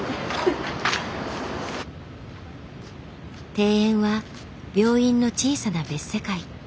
庭園は病院の小さな別世界。